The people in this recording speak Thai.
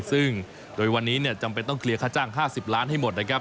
ซึ่งโดยวันนี้จำเป็นต้องเคลียร์ค่าจ้าง๕๐ล้านให้หมดนะครับ